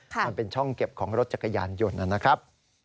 มันเป็นช่องเก็บของรถจักรยานยนต์นะครับ